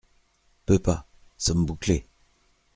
Peux pas, sommes bouclés !…